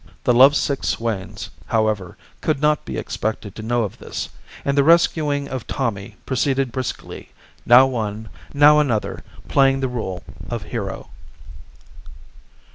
The lovesick swains, however, could not be expected to know of this, and the rescuing of Tommy proceeded briskly, now one, now another, playing the rôle of hero.